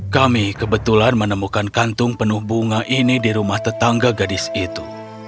kami kebetulan menemukan kantung penuh bunga ini di rumah tetangga gadis itu